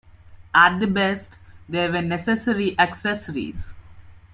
At the best, they were necessary accessories.